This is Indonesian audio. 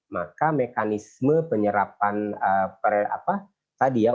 maka mekanisme penyerapan apa tadi ya